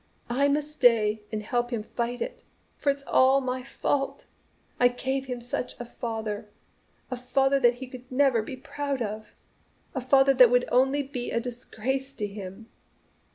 I must stay and help him fight it, for it's all my fault. I gave him such a father. A father that he can never be proud of! A father that will be only a disgrace to him!